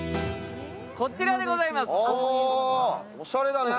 こちらでございます。